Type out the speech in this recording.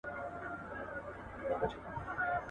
تاسو په پښتون کي کوم صفت ډېر خوښوئ؟